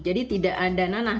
jadi tidak ada nanah